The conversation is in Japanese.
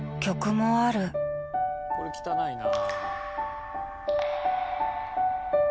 これ汚いな。